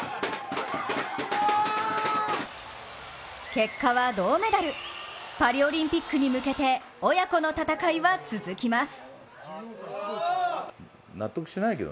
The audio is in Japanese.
結果は銅メダル、パリオリンピックに向けて親子の戦いは続きます。